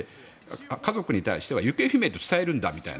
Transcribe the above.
家族に対しては行方不明として伝えるんだと。